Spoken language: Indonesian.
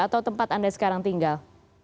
atau tempat anda sekarang tinggal